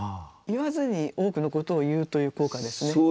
言わずに多くのことを言うという効果ですね。